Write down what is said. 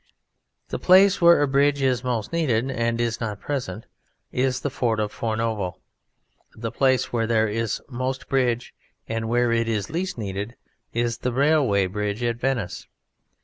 The place where a bridge is most needed, and is not present, is the Ford of Fornovo. The place where there is most bridge and where it is least needed is the railway bridge at Venice.